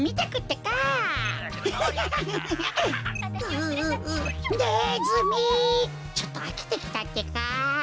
「ネズミ」ちょっとあきてきたってか。